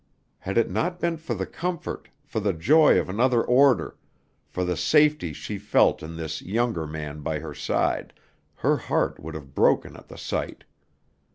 Had it not been for the comfort, for the joy of another order, for the safety she felt in this younger man by her side, her heart would have broken at the sight.